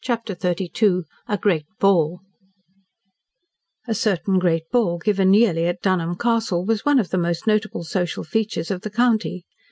CHAPTER XXXII A GREAT BALL A certain great ball, given yearly at Dunholm Castle, was one of the most notable social features of the county.